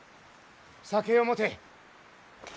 酒を持て。